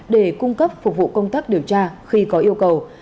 để cung cấp phục vụ công tác điều tra khi có yêu cầu